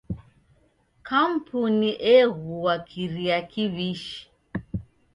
Kampuni egua kiria kiw'ishi.